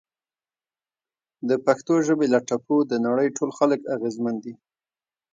د پښتو ژبې له ټپو د نړۍ ټول خلک اغیزمن دي!